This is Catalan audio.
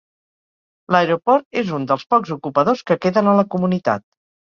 L"aeroport és un dels pocs ocupadors que queden a la comunitat.